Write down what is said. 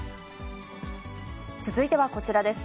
続いてはこちらです。